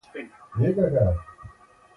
د میوو ښه ذخیره د بازار د اړتیا لپاره مهمه ده.